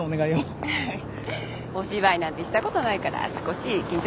お芝居なんてしたことないから少し緊張しましたけど。